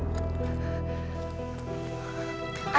kejar miet miet kejar